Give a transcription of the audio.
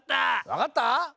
わかった？